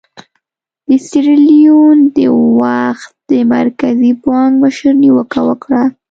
د سیریلیون د وخت د مرکزي بانک مشر نیوکه وکړه.